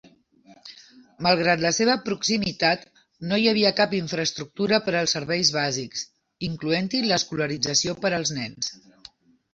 Malgrat la seva proximitat, no hi havia cap infraestructura per als serveis bàsics, incloent-hi l'escolarització per als nens.